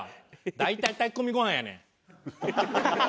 大体炊き込みご飯やねん。